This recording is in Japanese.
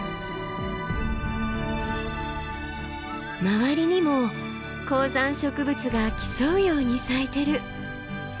周りにも高山植物が競うように咲いてる。